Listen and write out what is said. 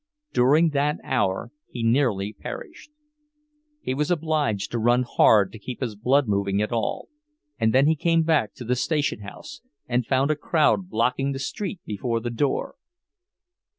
During that hour he nearly perished. He was obliged to run hard to keep his blood moving at all—and then he came back to the station house and found a crowd blocking the street before the door!